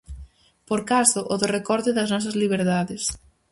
Por caso, o do recorte das nosas liberdades.